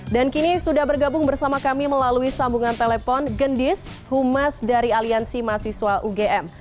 dan kini sudah bergabung bersama kami melalui sambungan telepon gendis humas dari aliansi mahasiswa ugm